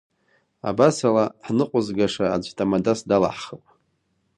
Абасала, ҳныҟәызгаша аӡәы ҭамадас далаҳхып.